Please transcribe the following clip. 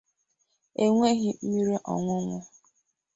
enweghị mmiri ọñụñụ